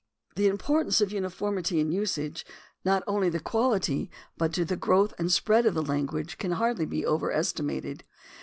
The importance of uniformity in usage, not only to the quahty, but to the growth and spread of the lan guage, can hardly be overestimated.